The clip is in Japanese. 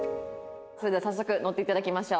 それでは早速乗って頂きましょう。